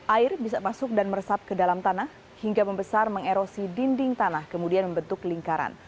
air bisa masuk dan meresap ke dalam tanah hingga membesar mengerosi dinding tanah kemudian membentuk lingkaran